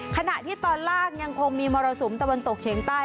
ขณะที่ตอนล่างยังคงมีมรสุมตะวันตกเฉียงใต้